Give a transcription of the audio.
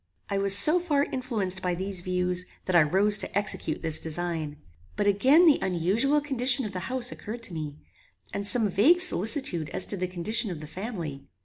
I was so far influenced by these views that I rose to execute this design; but again the unusual condition of the house occurred to me, and some vague solicitude as to the condition of the family.